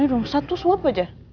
ini dong satu swab aja